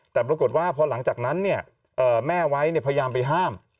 แต่ปรากฏว่าพอหลังจากนั้นแม่ไว้พยายามไปห้าม